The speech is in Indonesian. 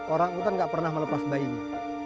orangutan gak pernah melepas bayinya